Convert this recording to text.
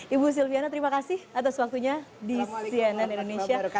ibu silviana terima kasih atas waktunya di cnn indonesia